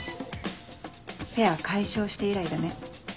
ペア解消して以来だね。